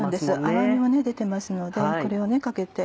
甘みも出てますのでこれをかけて。